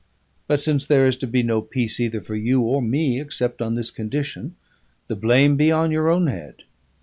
But since there is to be no peace either for you or me except on this condition, the blame be on your own head!